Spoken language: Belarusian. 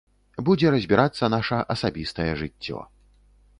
Будзе разбірацца наша асабістае жыццё.